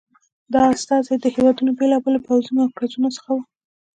دا استازي د هېواد بېلابېلو پوځي مرکزونو څخه وو.